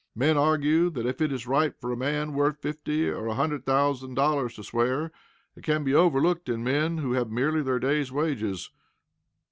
Men argue that, if it is right for a man worth fifty or a hundred thousand dollars to swear, it can be overlooked in men who have merely their day's wages.